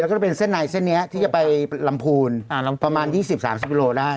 แล้วก็เป็นเส้นในเส้นนี้ที่จะไปลำภูนอ่าลำภูนประมาณยี่สิบสามสิบกิโลได้